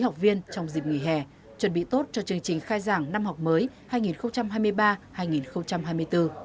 học viên trong dịp nghỉ hè chuẩn bị tốt cho chương trình khai giảng năm học mới hai nghìn hai mươi ba hai nghìn hai mươi bốn